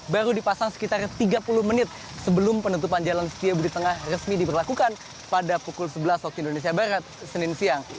baru dipasang sekitar tiga puluh menit sebelum penutupan jalan setiabudi tengah resmi diberlakukan pada pukul sebelas waktu indonesia barat senin siang